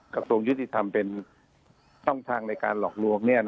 กระทรวงยูทิศที่ทำเป็นช่องทางในการหลอกลวง